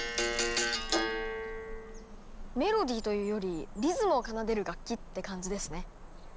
メロディーというよりリズムを奏でる楽器って感じですね。